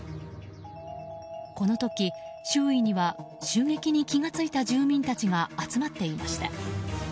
この時、周囲には襲撃に気が付いた住民たちが集まっていました。